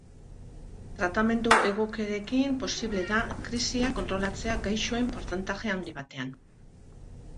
Tratamendu egokiarekin posible da krisiak kontrolatzea gaixoen portzentajea handi batean.